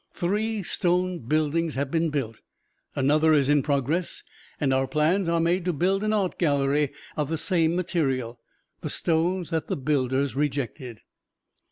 Three stone buildings have been built, another is in progress, and our plans are made to build an art gallery of the same material the stones that the builders rejected.